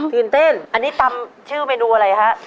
ตื่นเต้นอันนี้ตำชื่อเมนูอะไรฮะ